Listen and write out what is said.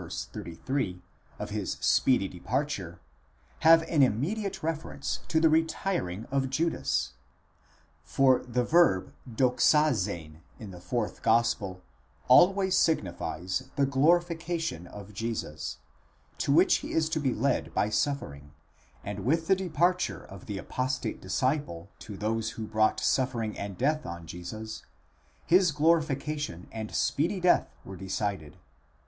33) of his speedy departure, have an immediate reference to the retiring of Judas. For the verb δοξάζειν in the fourth gospel always signifies the glorification of Jesus, to which he is to beled by suffering ; and with the departure of the apostate disciple to those who brought suffering and death on Jesus, his glorification and his speedy death were decided.